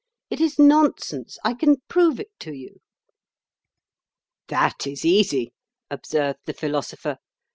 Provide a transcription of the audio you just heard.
It is nonsense; I can prove it to you." "That is easy," observed the Philosopher.